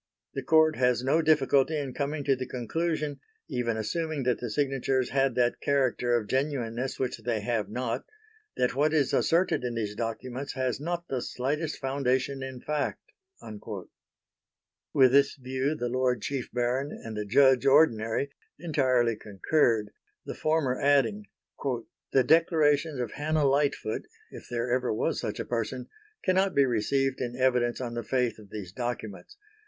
The Court has no difficulty in coming to the conclusion, even assuming that the signatures had that character of genuineness which they have not, that what is asserted in these documents has not the slightest foundation in fact." With this view the Lord Chief Baron and the Judge Ordinary entirely concurred, the former adding: "... the declarations of Hannah Lightfoot, if there ever was such a person, cannot be received in evidence on the faith of these documents